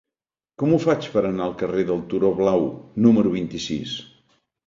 Com ho faig per anar al carrer del Turó Blau número vint-i-sis?